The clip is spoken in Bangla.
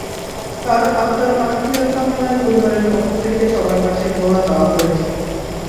তাঁর আত্মার মাগফিরাত কামনায় পরিবারের পক্ষ থেকে সবার কাছে দোয়া চাওয়া হয়েছে।